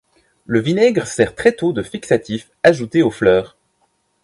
Le vinaigre sert très tôt de fixatif, ajouté aux fleurs.